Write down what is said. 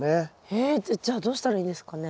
えじゃあどうしたらいいんですかね？